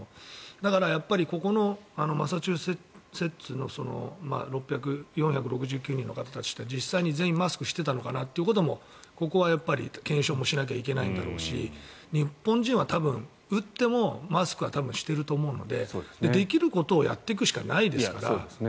だからやっぱりここのマサチューセッツの４６９人の方たちは実際に全員マスクしていたのかなとここは検証はしなければいけないんだろうし日本人は打ってもマスクは多分していると思うのでできることをやっていくしかないですから。